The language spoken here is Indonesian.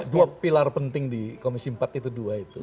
dua pilar penting di komisi empat itu dua itu